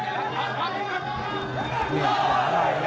โธ่ได้จากไหนเล็กช้าไหลเนี่ย